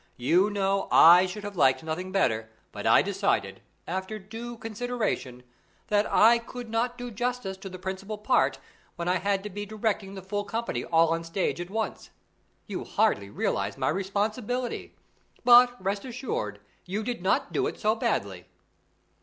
You know, I should have liked nothing better, but I decided, after due consideration, that I could not do justice to the principal part, when I had to be directing the full company, all on stage at once. You hardly realize my responsibility. But, rest assured, you did not do it so badly."